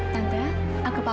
tante tak apa